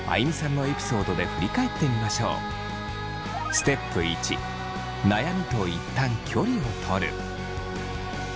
ステップ１悩みと一旦距離をとる。